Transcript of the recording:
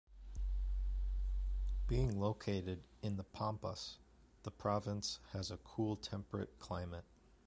Being located in the Pampas, the province has a cool temperate climate.